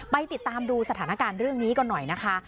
ติดตามดูสถานการณ์เรื่องนี้กันหน่อยนะคะ